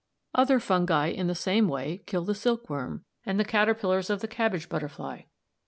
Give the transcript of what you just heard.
Other fungi in the same way kill the silkworm and the caterpillars of the cabbage butterfly.